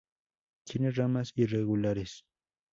Tiene ramas irregulares.